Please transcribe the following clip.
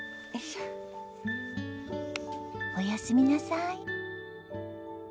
おやすみなさい。